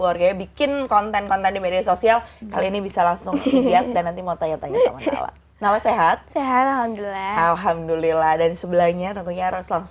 selamat datang di studio sian dan indonesia mas indra